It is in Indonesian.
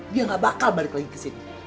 dia gak bakal balik lagi kesini